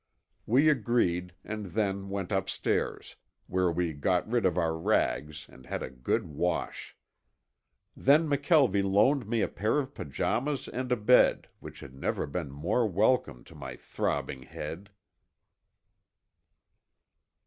We agreed and then went upstairs, where we got rid of our rags and had a good wash. Then McKelvie loaned me a pair of pajamas and a bed, which had never been more welcome to my throbbing head.